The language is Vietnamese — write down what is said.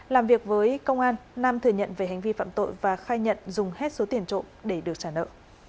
làm việc với công an nam thừa nhận về hành vi phạm tội và khai nhận dùng hết số tiền trộm để được trả nợ